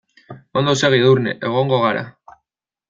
Ondo segi Edurne, egongo gara.